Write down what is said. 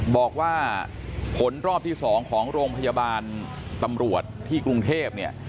บอกว่าผลรอบที่๒ของโรงพยาบาลตำรวจที่กรุงเทพเนี่ย